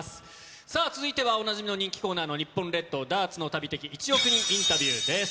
さあ、続いてはおなじみの人気コーナーの日本列島ダーツの旅的１億人インタビューです。